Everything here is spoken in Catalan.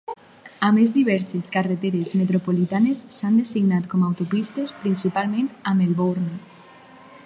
A més, diverses carreteres metropolitanes s'han designat com autopistes, principalment a Melbourne.